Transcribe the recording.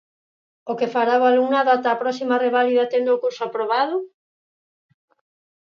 O que fará o alumnado ata a próxima reválida tendo o curso aprobado?